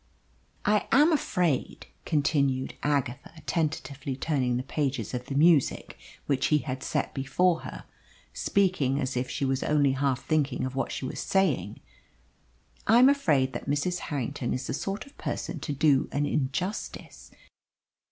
"I am afraid," continued Agatha, tentatively turning the pages of the music which he had set before her, speaking as if she was only half thinking of what she was saying "I am afraid that Mrs. Harrington is the sort of person to do an injustice.